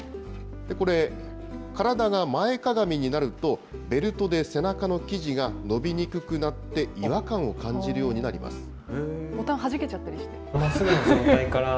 これ、体が前かがみになると、ベルトで背中の生地が伸びにくくなって、違和感を感じるようになります。